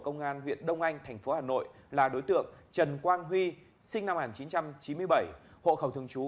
công an huyện đông anh thành phố hà nội là đối tượng trần quang huy sinh năm một nghìn chín trăm chín mươi bảy hộ khẩu thường trú